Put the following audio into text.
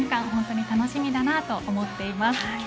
本当に楽しみだなと思っています。